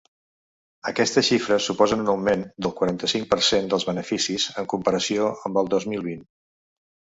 Aquestes xifres suposen un augment del quaranta-cinc per cent dels beneficis en comparació amb el dos mil vint.